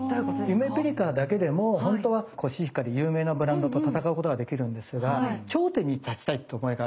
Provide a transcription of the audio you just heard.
ゆめぴりかだけでもほんとはコシヒカリ有名なブランドと戦うことができるんですが頂点に立ちたいっていう思いがあるわけですよね。